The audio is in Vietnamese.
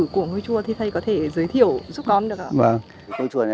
của ngôi chùa thì thầy có thể giới thiệu giúp đón được không ạ